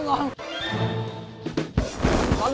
ร้อนนะครับ